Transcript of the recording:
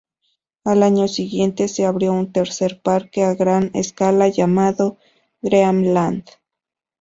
Al año siguiente se abrió un tercer parque a gran escala llamado Dreamland.